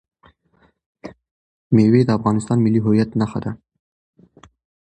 مېوې د افغانستان د ملي هویت نښه ده.